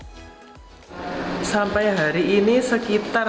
sampai hari ini sekitar seribu biji ada gantungan kunci ada magnet untuk ditempel di pulau ini